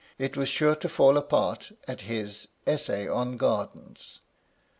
it was sure to fall apart at his " Essay on Gardens."